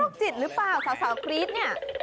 จิตหรือเปล่าสาวกรี๊ดเนี่ย